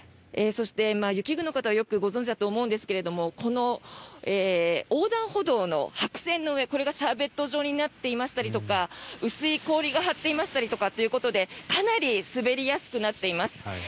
そして、雪国の方はよくご存じだと思いますが横断歩道の白線の上これがシャーベット状になっていましたりとか薄い氷が張っていましたりということでかなり滑りやすくなっています。